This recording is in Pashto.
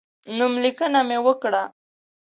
نوملیکنه مې وکړه.